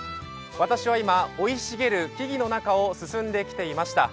私は今、生い茂る木々の中を進んできていました。